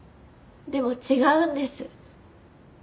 でも違うんです。